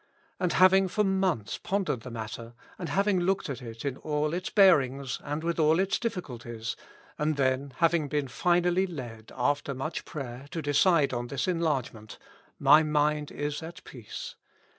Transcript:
After having for months pondered the matter, and having looked at it in all its bearings and with all its diiBculties, and then having been finally led, after much prayer, to decide on this enlargement, my mind is at peace.